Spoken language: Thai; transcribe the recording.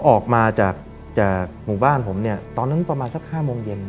ออกมาจากหมู่บ้านผมเนี่ยตอนนั้นประมาณสัก๕โมงเย็น